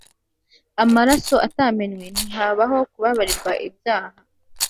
Amaraso atamenwe ntihabaho kubabarirwa ibyaha